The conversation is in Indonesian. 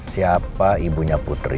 siapa ibunya putri